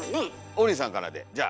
王林さんからでじゃあ。